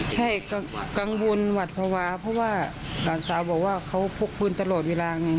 ใช่กังวลหวัดภาวะเพราะว่าหลานสาวบอกว่าเขาพกปืนตลอดเวลาไง